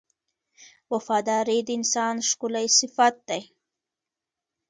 • وفاداري د انسان ښکلی صفت دی.